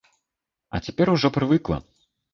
А цяпер ужо прывыкла.